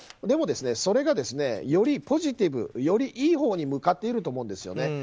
でも、それがよりポジティブよりいいほうに向かっていると思うんですね。